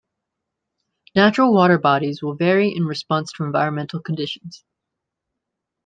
Natural water bodies will vary in response to environmental conditions.